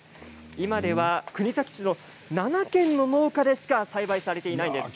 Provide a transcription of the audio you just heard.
今では国東市の７軒の農家でしか栽培されていないんです。